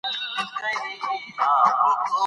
قومونه د افغانستان د ښاري پراختیا سبب کېږي.